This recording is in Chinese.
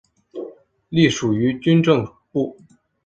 隶属于军政部。